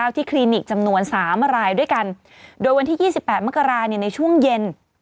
คลินิกจำนวน๓รายด้วยกันโดยวันที่๒๘มกราในช่วงเย็น